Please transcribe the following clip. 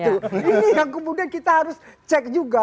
ini yang kemudian kita harus cek juga